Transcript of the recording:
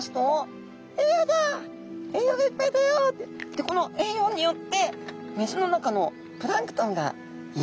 でこの栄養によって水の中のプランクトンがいっぱい。